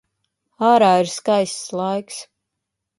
Ārā ir skaists laiks.